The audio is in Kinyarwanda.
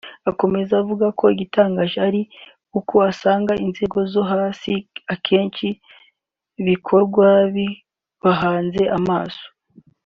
Akomeza avuga ko igitangaje ari uko usanga inzego zo hasi akenshi bikorwa babihanze amaso